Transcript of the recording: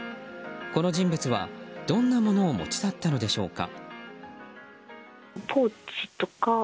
この人物はどんなものを持ち去ったのでしょうか。